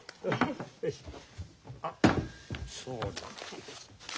あっそうだ。